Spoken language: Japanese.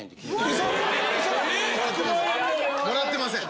ええ！もらってません。